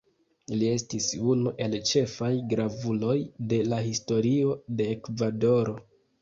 Li estis unu el ĉefaj gravuloj de la Historio de Ekvadoro.